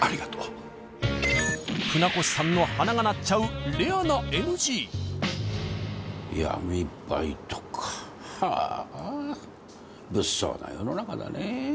ありがとう船越さんの鼻が鳴っちゃうレアなＮＧ闇バイトかはあ物騒な世の中だね